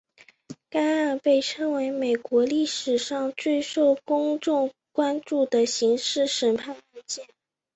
该案被称为是美国历史上最受公众关注的刑事审判案件。